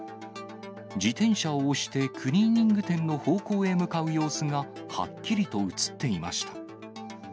自転車を押してクリーニング店の方向へ向かう様子が、はっきりと写っていました。